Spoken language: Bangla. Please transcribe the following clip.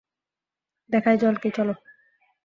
দেখাই জল কী, চলো!